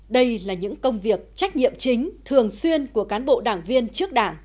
đây là những công việc trách nhiệm chính thường xuyên của cán bộ đảng viên trước đảng